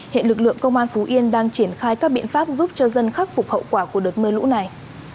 hiện lực lượng công an phú yên đang triển khai các biện pháp giúp cho dân khắc phục hậu quả của đợt mưa lũ này